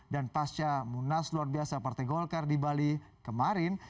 dan pasca munaslu luar biasa partai golkar di bali kemarin